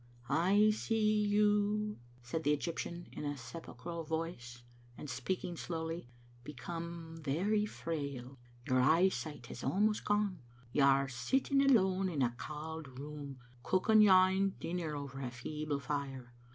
" I see you," said the Egyptian in a sepulchral voice, and speaking slowly, "become very frail. Your eye sight has almost gone. You are sitting alone in a cauld room, cooking your ain dinner ower a feeble fire.